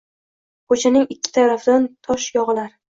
Ko‘chaning ikki tarafidan tosh yog‘ilar.